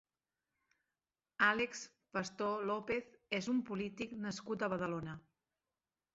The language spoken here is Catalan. Àlex Pastor López és un polític nascut a Badalona.